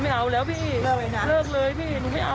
ไม่เอาแล้วพี่เลิกเลยพี่